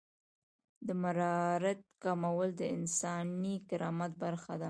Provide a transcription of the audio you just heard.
د مرارت کمول د انساني کرامت برخه ده.